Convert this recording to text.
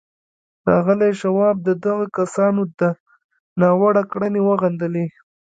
ښاغلي شواب د دغو کسانو دا ناوړه کړنې وغندلې.